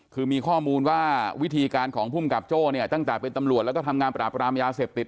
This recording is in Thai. คือมีข้อมูลว่าวิธีการของภูมิกับโจ้เนี่ยตั้งแต่เป็นตำรวจแล้วก็ทำงานปราบรามยาเสพติด